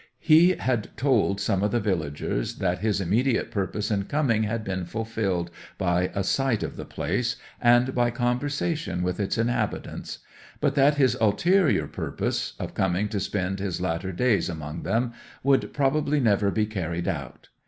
He had told some of the villagers that his immediate purpose in coming had been fulfilled by a sight of the place, and by conversation with its inhabitants: but that his ulterior purpose—of coming to spend his latter days among them—would probably never be carried out.